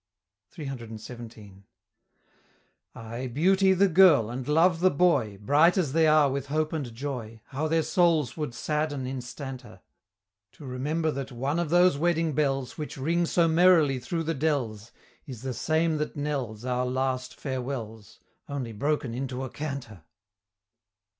CCCXVII. Ay, Beauty the Girl, and Love the Boy, Bright as they are with hope and joy, How their souls would sadden instanter, To remember that one of those wedding bells, Which ring so merrily through the dells, Is the same that knells Our last farewells, Only broken into a canter!